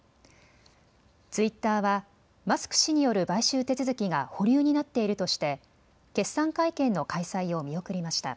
ツイッターはマスク氏による買収手続きが保留になっているとして決算会見の開催を見送りました。